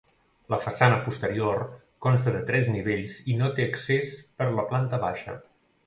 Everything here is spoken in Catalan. La façana posterior consta de tres nivells i no té accés per la planta baixa.